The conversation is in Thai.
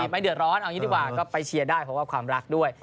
ไม่เดือดร้อนเอาอย่างนี้ดีกว่าก็ไปเชียร์ได้เพราะว่าความรักด้วย